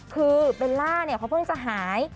คือเบลล่าเนี่ยเขาเพิ่งจะหาย